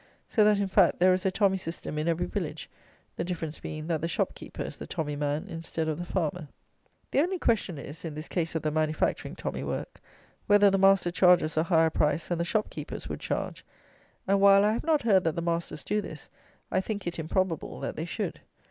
So that, in fact, there is a tommy system in every village, the difference being, that the shop keeper is the tommy man instead of the farmer. The only question is in this case of the manufacturing tommy work, whether the master charges a higher price than the shop keepers would charge; and, while I have not heard that the masters do this, I think it improbable that they should.